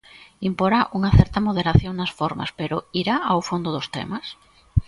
Imporá unha certa moderación nas formas pero irá ao fondo dos temas?